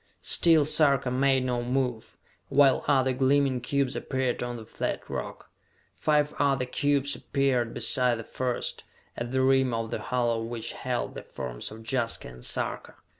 Still Sarka made no move, while other gleaming cubes appeared on the flat rock. Five other cubes appeared beside the first, at the rim of the hollow which held the forms of Jaska and Sarka.